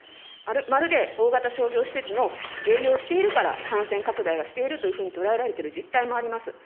まるで大型商業施設の営業をしているから感染拡大がしているというふうに捉えられてる実態もあります。